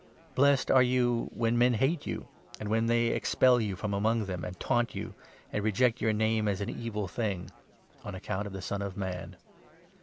Blessed are you when men hate you, and when they expel you 22 from among them, and taunt you, and reject your Name as an evil thing — on account of the Son of Man.